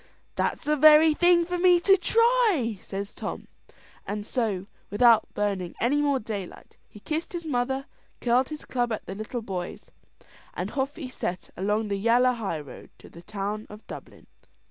"That's the very thing for me to try," says Tom; and so, without burning any more daylight, he kissed his mother, curled his club at the little boys, and off he set along the yalla highroad to the town of Dublin.